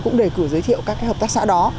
cũng đề cử giới thiệu các cái hợp tác xã đó